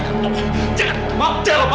jangan maaf jangan lupa